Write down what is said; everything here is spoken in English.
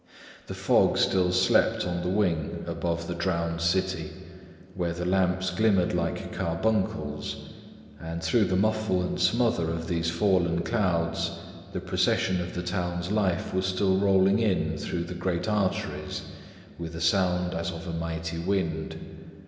The fog still slept on the wing above the drowned city, where the lamps glimmered like carbuncles; and through the muffle and smother of these fallen clouds, the procession of the town's life was still rolling in through the great arteries with a sound as of a mighty wind.